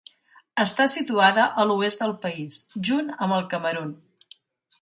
Està situada a l'oest del país, junt amb el Camerun.